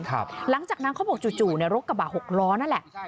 ครับหลังจากนั้นเขาบอกจู่จู่ในรถกระบาดหกล้อนั่นแหละ